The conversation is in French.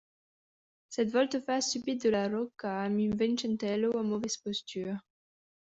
Cette volte-face subite de la Rocca a mis Vincentello en mauvaise posture.